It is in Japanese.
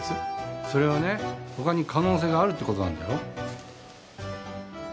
それはね他に可能性があるってことなんだよ。